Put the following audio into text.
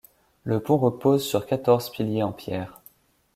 Le pont repose sur quatorze piliers en pierre.